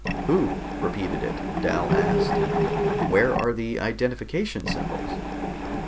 "Who repeated it?" Dal asked. "Where are the identification symbols?"